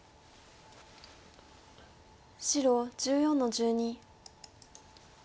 白１４の十二。